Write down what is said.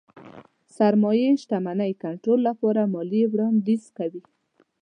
سرمايې شتمنۍ کنټرول لپاره ماليې وړانديز کوي.